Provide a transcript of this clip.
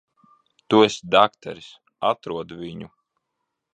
Tu esi dakteris. Atrodi viņu.